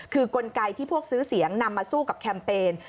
คือกลไกที่พวกซื้อเสียงนำมาสู้กับแคมเปญ